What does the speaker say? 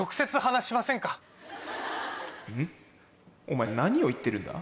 お前何を言ってるんだ？」。